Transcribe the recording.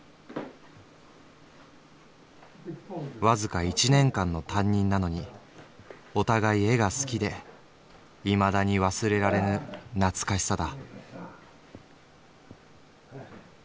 「わずか一年間の担任なのにお互い絵が好きで未だに忘れられぬ懐かしさだ」。